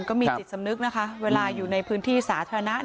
ก็มีจิตสำนึกนะคะเวลาอยู่ในพื้นที่สาธารณะ